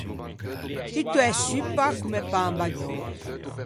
Tutto é suppa comme pan bagnou.